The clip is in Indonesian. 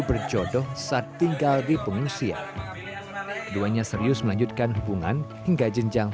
berjodoh saat tinggal di pengungsian keduanya serius melanjutkan hubungan hingga jenjang